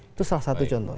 itu salah satu contoh